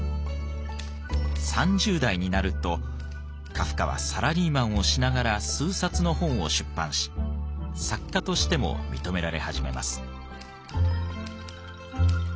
３０代になるとカフカはサラリーマンをしながら数冊の本を出版し作家としても認められ始めます。